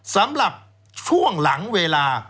สำหรับช่วงหลังเวลา